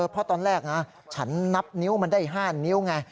เพราะตอนแรกนะฉันนับนิ้วมันได้๕นิ้วไง